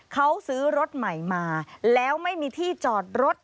เขาซื้อรถใหม่มาแล้วไม่มีที่จอดรถ